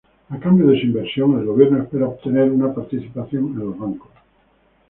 A cambio de su inversión, el gobierno espera obtener una participación en los bancos.